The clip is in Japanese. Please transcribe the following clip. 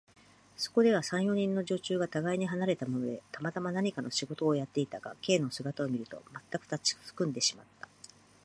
そこでは、三、四人の女中がたがいに離れたままで、たまたま何かの仕事をやっていたが、Ｋ の姿を見ると、まったく立ちすくんでしまった。